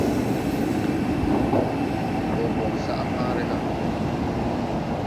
Dɔɔ bon sag hããre ga.